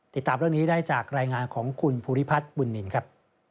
ติดตามเรื่องนี้ได้จากรายงานของคุณภูริพัฒน์บุญนินครับ